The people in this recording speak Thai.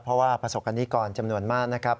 เพราะว่าประสบกรณิกรจำนวนมากนะครับ